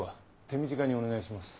手短にお願いします。